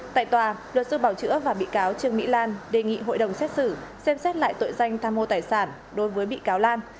tại tòa luật sư bảo chữa và bị cáo trương mỹ lan đề nghị hội đồng xét xử xem xét lại tội danh tham mô tài sản đối với bị cáo lan